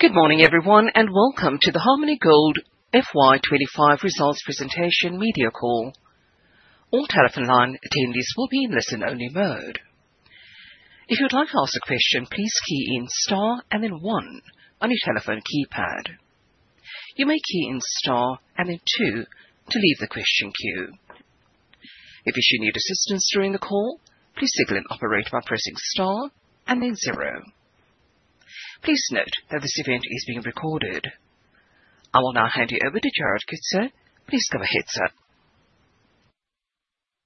Good morning, everyone, and welcome to the Harmony Gold FY 2025 results presentation media call. All telephone line attendees will be in listen-only mode. If you'd like to ask a question, please key in star and then one on your telephone keypad. You may key in star and then two to leave the question queue. If you should need assistance during the call, please signal an operator by pressing star and then zero. Please note that this event is being recorded. I will now hand you over to Jared Coetzer. Please go ahead, sir.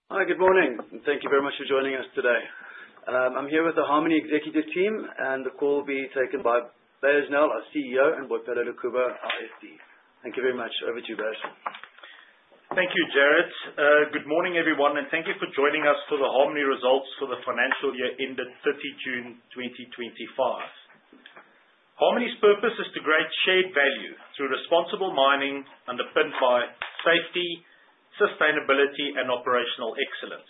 Hi. Good morning, and thank you very much for joining us today. I'm here with the Harmony executive team, and the call will be taken by Beyers Nel, our CEO, and Boipelo Lekubo, our FD. Thank you very much. Over to you, Beyers. Thank you, Jared. Good morning, everyone, and thank you for joining us for the Harmony results for the financial year ended 30 June 2025. Harmony's purpose is to create shared value through responsible mining underpinned by safety, sustainability, and operational excellence.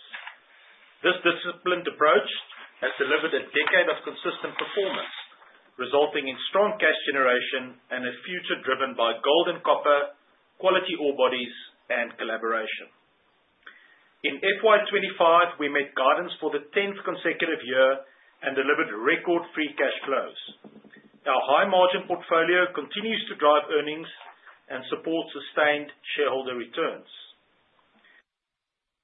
This disciplined approach has delivered a decade of consistent performance, resulting in strong cash generation and a future driven by gold and copper, quality ore bodies, and collaboration. In FY 2025, we met guidance for the 10th consecutive year and delivered record free cash flows. Our high margin portfolio continues to drive earnings and support sustained shareholder returns.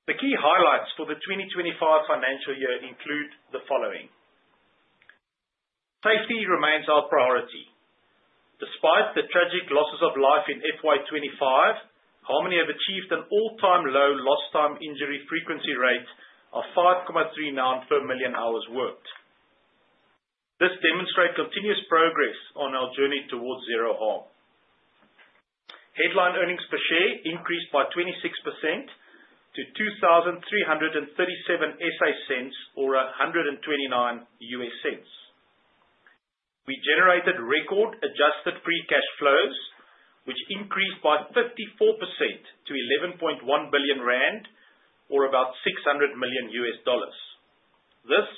The key highlights for the 2025 financial year include the following. Safety remains our priority. Despite the tragic losses of life in FY 2025, Harmony have achieved an all-time low Lost Time Injury Frequency Rate of 5.39 per million hours worked. This demonstrates continuous progress on our journey towards zero harm. Headline earnings per share increased by 26% to ZAR 23.37 or $1.29. We generated record adjusted free cash flows, which increased by 54% to 11.1 billion rand or about $600 million. This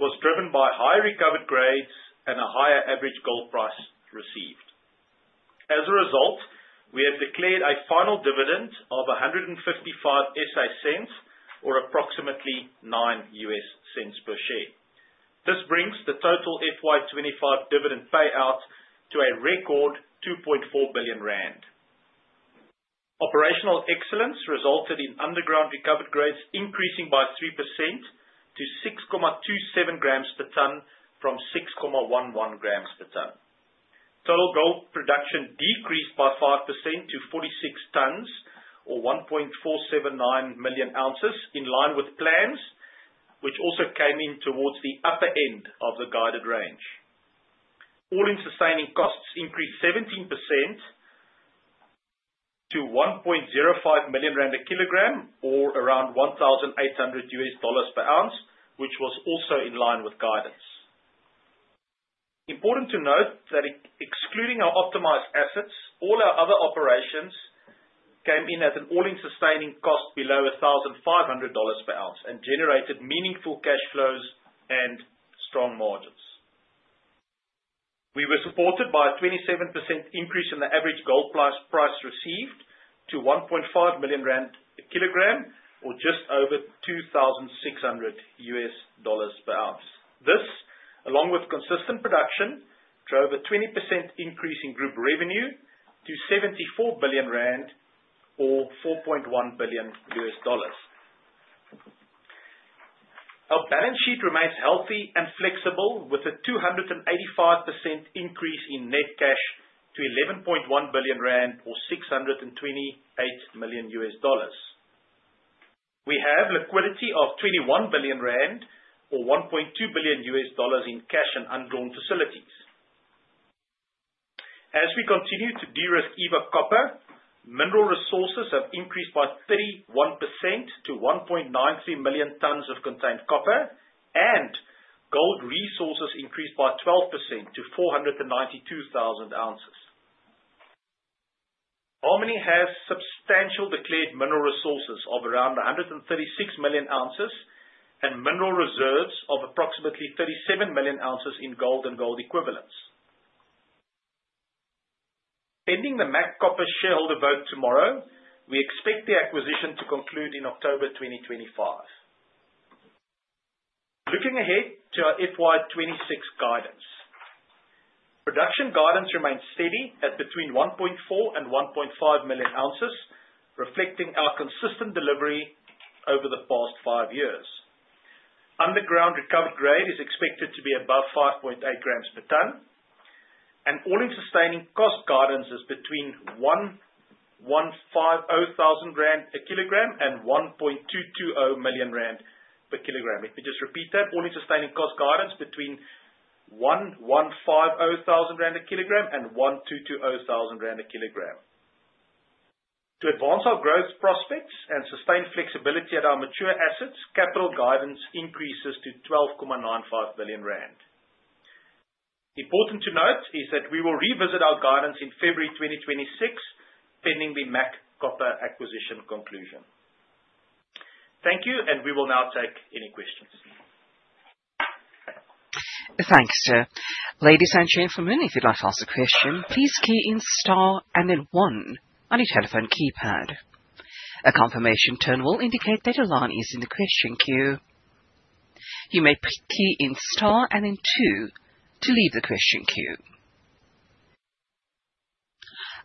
was driven by high recovered grades and a higher average gold price received. As a result, we have declared a final dividend of 1.55 or approximately $0.09 per share. This brings the total FY 2025 dividend payout to a record 2.4 billion rand. Operational excellence resulted in underground recovered grades increasing by 3% to 6.27 grams per ton from 6.11 g per ton. Total gold production decreased by 5% to 46 tons or 1.479 million oz, in line with plans which also came in towards the upper end of the guided range. All-in sustaining costs increased 17% to 1.05 million rand per kilogram or around $1,800 per ounce, which was also in line with guidance. Important to note that excluding our optimized assets, all our other operations came in at an all-in sustaining cost below $1,500 per ounce and generated meaningful cash flows and strong margins. We were supported by a 27% increase in the average gold price received to 1.5 million rand per kilogram or just over $2,600 per ounce. This, along with consistent production, drove a 20% increase in group revenue to 74 billion rand or $4.1 billion. Our balance sheet remains healthy and flexible with a 285% increase in net cash to 11.1 billion rand or $628 million. We have liquidity of 21 billion rand or $1.2 billion in cash and undrawn facilities. As we continue to de-risk Eva Copper, mineral resources have increased by 31% to 1.93 million tons of contained copper, and gold resources increased by 12% to 492,000 ounces. Harmony has substantial declared mineral resources of around 136 million ounces and mineral reserves of approximately 37 million ounces in gold and gold equivalents. Pending the MAC Copper shareholder vote tomorrow, we expect the acquisition to conclude in October 2025. Looking ahead to our FY 2026 guidance. Production guidance remains steady at between 1.4 and 1.5 million ounces, reflecting our consistent delivery over the past five years. Underground recovered grade is expected to be above 5.8 g per ton, and all-in sustaining cost guidance is between 1,150,000 rand a kilogram and 1.220 million rand per kilogram. Let me just repeat that. All-in sustaining cost guidance between 1,150,000 rand a kilogram and 1,220 thousand rand a kilogram. To advance our growth prospects and sustain flexibility at our mature assets, capital guidance increases to 12.95 billion rand. Important to note is that we will revisit our guidance in February 2026, pending the MAC Copper acquisition conclusion. Thank you, and we will now take any questions. Thanks, sir. Ladies and gentlemen, if you'd like to ask a question, please key in star and then one on your telephone keypad. A confirmation tone will indicate that your line is in the question queue. You may key in star and then two to leave the question queue.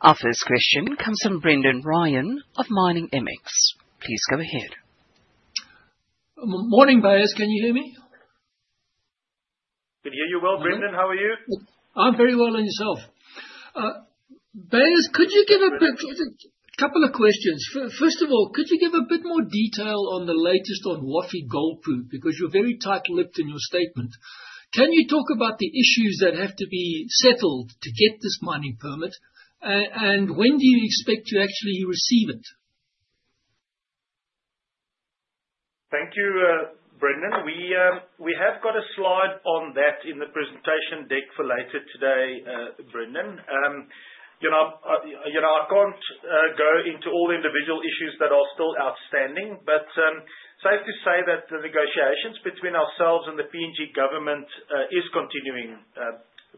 Our first question comes from Brendan Ryan of Miningmx. Please go ahead. Morning, Beyers. Can you hear me? Can hear you well, Brendan. How are you? I'm very well, and yourself. Beyers, couple of questions. First of all, could you give a bit more detail on the latest on Wafi-Golpu? Because you're very tight-lipped in your statement. Can you talk about the issues that have to be settled to get this mining permit? When do you expect to actually receive it? Thank you, Brendan. We have got a slide on that in the presentation deck for later today, Brendan. You know, I can't go into all the individual issues that are still outstanding, but safe to say that the negotiations between ourselves and the PNG government is continuing,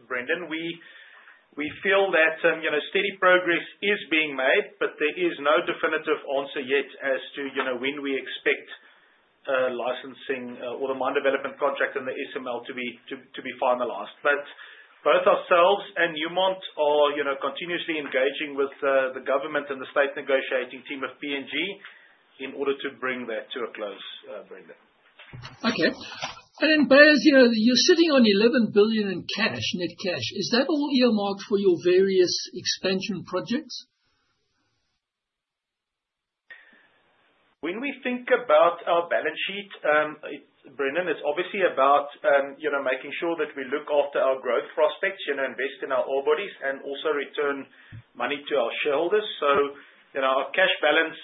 Brendan. We feel that you know, steady progress is being made, but there is no definitive answer yet as to you know, when we expect licensing or the Mine Development Project and the SML to be finalized. Both ourselves and Newmont are you know, continuously engaging with the government and the State Negotiating Team of PNG in order to bring that to a close, Brendan. Okay. Beyers, you know, you're sitting on 11 billion in cash, net cash. Is that all earmarked for your various expansion projects? When we think about our balance sheet, Brendan, it's obviously about, you know, making sure that we look after our growth prospects, you know, invest in our ore bodies and also return money to our shareholders. You know, our cash balance,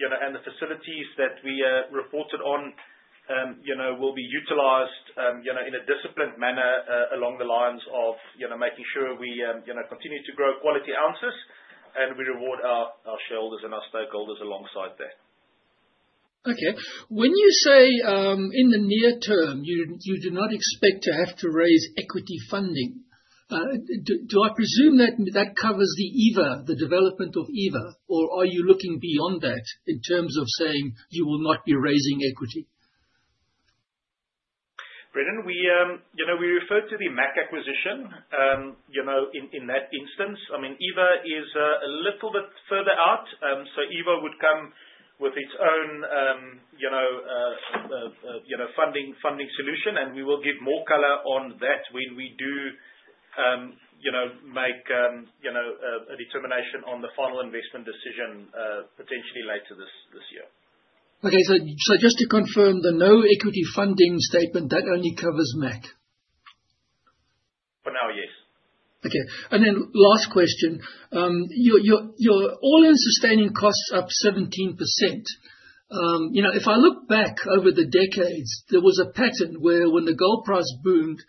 you know, and the facilities that we reported on, you know, will be utilized, you know, in a disciplined manner, along the lines of, you know, making sure we, you know, continue to grow quality ounces, and we reward our shareholders and our stakeholders alongside that. Okay. When you say in the near term, you do not expect to have to raise equity funding, do I presume that covers the Eva, the development of Eva? Or are you looking beyond that in terms of saying you will not be raising equity? Brendan, you know, we referred to the MAC acquisition, you know, in that instance. I mean, Eva is a little bit further out. Eva would come with its own, you know, funding solution, and we will give more color on that when we do, you know, make a determination on the final investment decision, potentially later this year. Just to confirm, the no equity funding statement, that only covers MAC. For now, yes. Okay. Last question. Your all-in sustaining costs up 17%. You know, if I look back over the decades, there was a pattern where when the gold price boomed,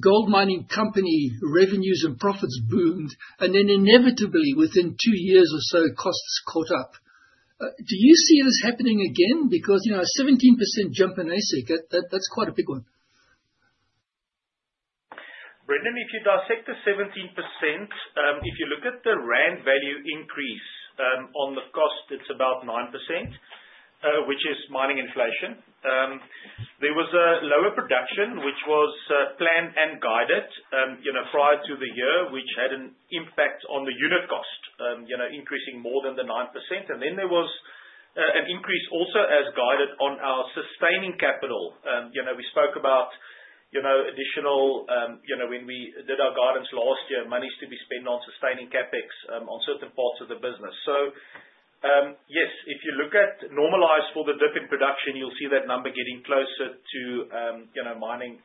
gold mining company revenues and profits boomed, and then inevitably, within two years or so, costs caught up. Do you see this happening again? Because, you know, a 17% jump in AISC, that's quite a big one. Brendan, if you dissect the 17%, if you look at the rand value increase on the cost, it's about 9%, which is mining inflation. There was a lower production, which was planned and guided, you know, prior to the year, which had an impact on the unit cost, you know, increasing more than the 9%. Then there was an increase also as guided on our sustaining capital. You know, we spoke about, you know, additional, you know, when we did our guidance last year, monies to be spent on sustaining CapEx on certain parts of the business. Yes, if you look at normalized for the dip in production, you'll see that number getting closer to, you know, mining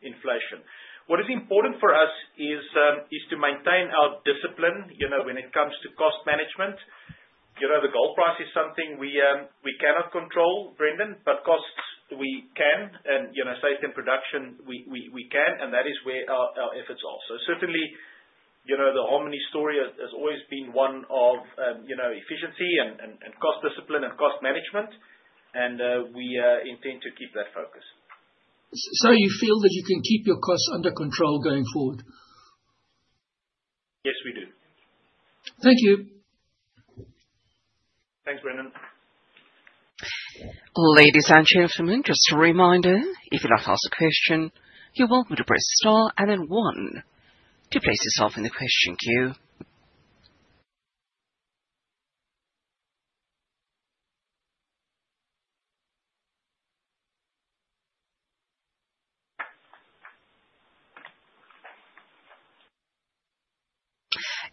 inflation. What is important for us is to maintain our discipline, you know, when it comes to cost management. You know, the gold price is something we cannot control, Brendan, but costs we can. You know, safety in production, we can, and that is where our efforts are. Certainly, you know, the Harmony story has always been one of, you know, efficiency and cost discipline and cost management. We intend to keep that focus. You feel that you can keep your costs under control going forward? Yes, we do. Thank you. Thanks, Brendan. Ladies and gentlemen, just a reminder, if you'd like to ask a question, you're welcome to press star and then one to place yourself in the question queue.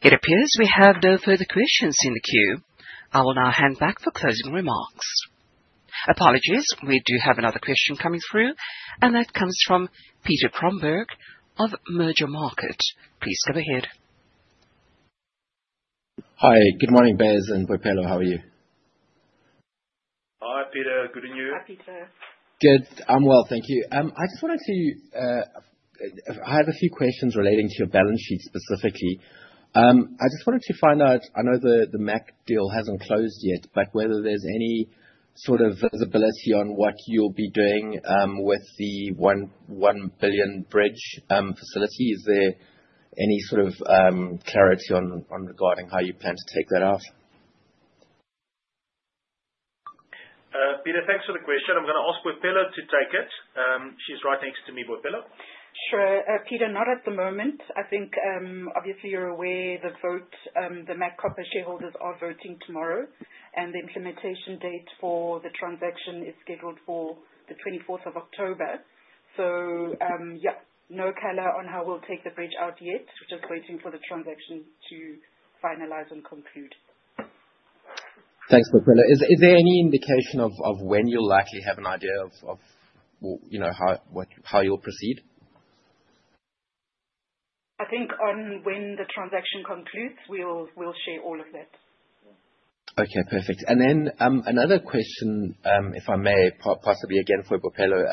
It appears we have no further questions in the queue. I will now hand back for closing remarks. Apologies, we do have another question coming through, and that comes from Peter Cromberge of Mergermarket. Please go ahead. Hi, good morning, Beyers and Boipelo. How are you? Hi, Peter. Good and you? Hi, Peter. Good. I'm well, thank you. I just wanted to. I have a few questions relating to your balance sheet specifically. I just wanted to find out. I know the MAC deal hasn't closed yet, but whether there's any sort of visibility on what you'll be doing with the 1 billion bridge facility. Is there any sort of clarity regarding how you plan to take that out? Peter, thanks for the question. I'm gonna ask Boipelo to take it. She's right next to me. Boipelo. Sure. Peter, not at the moment. I think, obviously you're aware the vote, the MAC Copper shareholders are voting tomorrow, and the implementation date for the transaction is scheduled for the 24th of October. Yeah, no color on how we'll take the bridge out yet. We're just waiting for the transaction to finalize and conclude. Thanks, Boipelo. Is there any indication of when you'll likely have an idea of well, you know, how, what, how you'll proceed? I think once the transaction concludes, we'll share all of that. Okay, perfect. Another question, if I may, possibly again for Boipelo.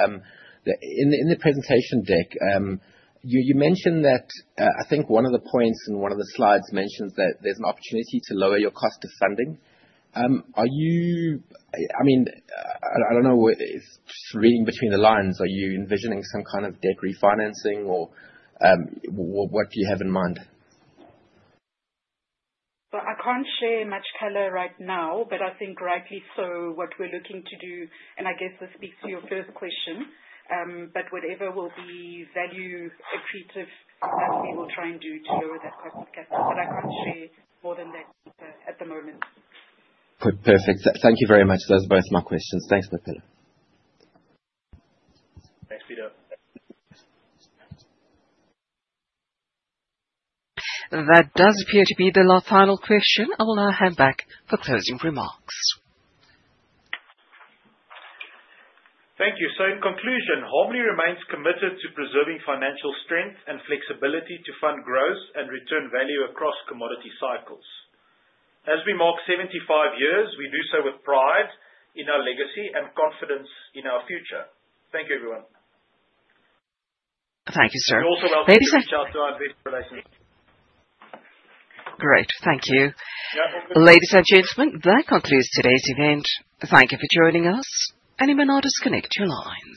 In the presentation deck, you mentioned that, I think one of the points in one of the slides mentions that there's an opportunity to lower your cost of funding. Are you? I mean, I don't know where it is. Just reading between the lines, are you envisioning some kind of debt refinancing or, what do you have in mind? I can't share much color right now, but I think rightly so what we're looking to do, and I guess this speaks to your first question. Whatever will be value accretive, we will try and do to lower that cost of capital. I can't share more than that at the moment. Good. Perfect. Thank you very much. Those are both my questions. Thanks, Boipelo. Thanks, Peter. That does appear to be the last final question. I will now hand back for closing remarks. Thank you. In conclusion, Harmony remains committed to preserving financial strength and flexibility to fund growth and return value across commodity cycles. As we mark 75 years, we do so with pride in our legacy and confidence in our future. Thank you, everyone. Thank you, sir. We also welcome any reach out to our investor relations. Great. Thank you. Ladies and gentlemen, that concludes today's event. Thank you for joining us, and you may now disconnect your lines.